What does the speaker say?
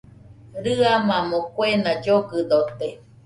Rɨamamo kuena llogɨdote